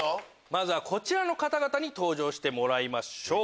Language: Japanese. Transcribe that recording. まずはこちらの方々に登場してもらいましょう。